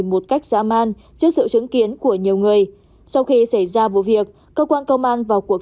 một cách dã man trước sự chứng kiến của nhiều người sau khi xảy ra vụ việc cơ quan công an vào cuộc